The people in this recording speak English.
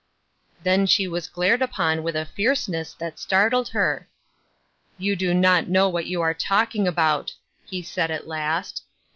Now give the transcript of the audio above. " Then she was glared upon with a fierceness that startled her. " You do not know what you are talking about," he said at last.